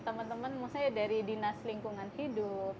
teman teman maksudnya dari dinas lingkungan hidup